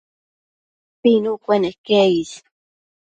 pinu cuenec niosh